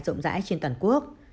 rộng rãi trên toàn quốc